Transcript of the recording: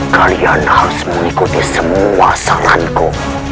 kalian harus mengikuti semua saranganku